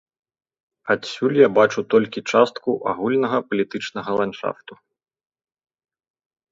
Адсюль я бачу толькі частку агульнага палітычнага ландшафту.